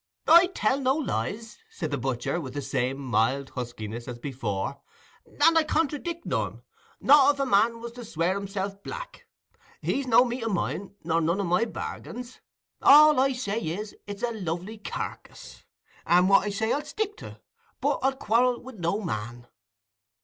"I tell no lies," said the butcher, with the same mild huskiness as before, "and I contradick none—not if a man was to swear himself black: he's no meat o' mine, nor none o' my bargains. All I say is, it's a lovely carkiss. And what I say, I'll stick to; but I'll quarrel wi' no man."